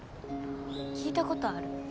聞いたことある。